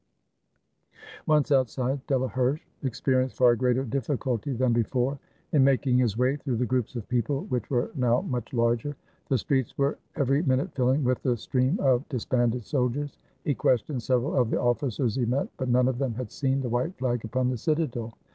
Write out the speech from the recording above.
Once outside, Delaherche experienced far greater difficulty than before in making his way through the groups of people, which were now much larger. The streets were every minute filUng with the stream of dis banded soldiers. He questioned several of the officers he met, but none of them had seen the white flag upon the citadel.